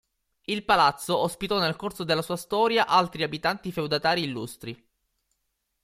Il palazzo ospitò nel corso della sua storia altri abitanti-feudatari illustri.